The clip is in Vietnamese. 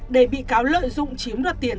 để bị cáo lợi dụng chiếm được tiền